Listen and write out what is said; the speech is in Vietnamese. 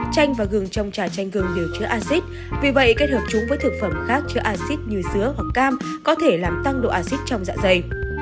chanh và gừng trong trà chanh gừng đều chứa axit vì vậy kết hợp chúng với thực phẩm khác chứa axit như sữa hoặc cam có thể làm tăng độ axit trong dạ dày